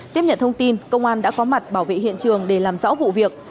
tiếp nhận thông tin công an đã có mặt bảo vệ hiện trường để làm rõ vụ việc